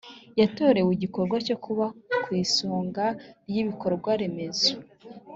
yatorewe igikorwa cyo kuba ku isonga ry ibikorwa remezo